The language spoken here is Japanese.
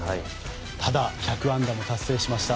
ただ１００安打も達成しました。